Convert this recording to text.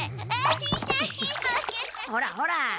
ほらほら。